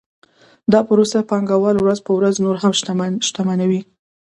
دا پروسه پانګوال ورځ په ورځ نور هم شتمنوي